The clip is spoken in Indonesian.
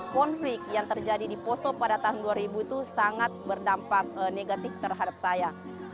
konflik yang terjadi di poso pada tahun dua ribu itu sangat berdampak negatif terhadap saya